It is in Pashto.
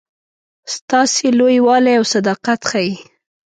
ستاسي لوی والی او صداقت ښيي.